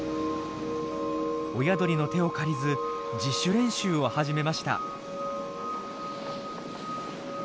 親鳥の手を借りず自主練習を始めました。